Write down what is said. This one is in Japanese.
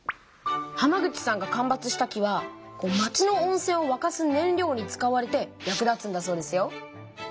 浜口さんが間伐した木は町の温せんをわかすねん料に使われて役立つんだそうですよ。